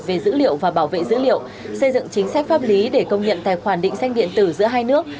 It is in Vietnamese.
về dữ liệu và bảo vệ dữ liệu xây dựng chính sách pháp lý để công nhận tài khoản định danh điện tử giữa hai nước